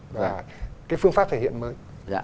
và cái phương pháp thể hiện mới